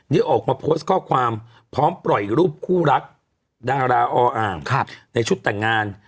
ได้ออกมาโพสต์ข้อความพร้อมปล่อยรูปคู่รักดาราออ่างในชุดแต่งงาน